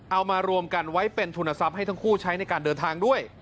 เอามารวมกันไว้เป็นทุนทรัพย์ให้ทั้งคู่ใช้ในการเดินทางด้วย